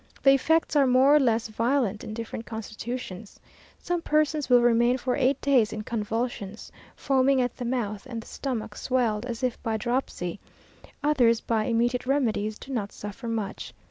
The effects are more or less violent in different constitutions. Some persons will remain for eight days in convulsions, foaming at the mouth, and the stomach swelled, as if by dropsy; others, by immediate remedies, do not suffer much.